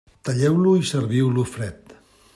Talleu-lo i serviu-lo fred.